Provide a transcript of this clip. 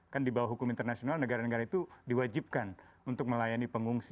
kan di bawah hukum internasional negara negara itu diwajibkan untuk melayani pengungsi